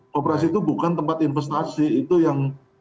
kooperasi itu bukan tempat investasi itu yang